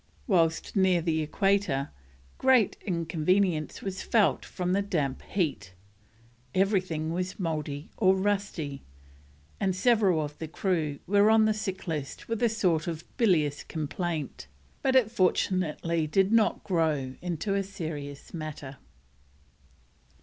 Whilst near the Equator, great inconvenience was felt from the damp heat; everything was mouldy or rusty, and several of the crew were on the sick list with a sort of bilious complaint; but it fortunately did not grow into a serious matter.